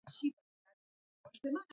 زمرد د افغانستان د طبیعي زیرمو برخه ده.